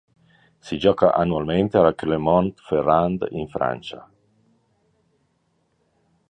Si gioca annualmente a Clermont-Ferrand in Francia.